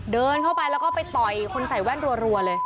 เดินเข้าไปแล้วก็ไปต่อยคนใส่แว่นรัวเลย